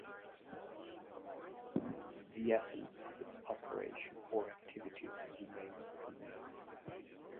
The essence of its operation or activities remains unknown.